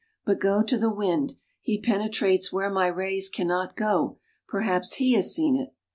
But go to the Wind. He penetrates where my rays can not go. Perhaps he has seen it."